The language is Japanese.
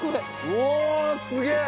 うわすげえ！